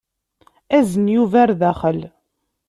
Azen Yuba ɣer daxel.